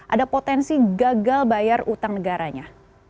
ada potensi gagal bayar utang negaranya